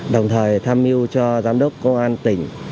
đồng thời tham mưu cho giám đốc công an tỉnh